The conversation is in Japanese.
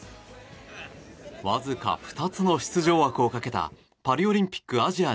わずか２つの出場枠をかけたパリオリンピックアジア